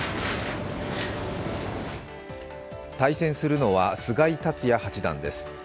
対戦するのは菅井竜也八段です。